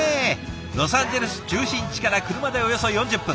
ロサンゼルス中心地から車でおよそ４０分。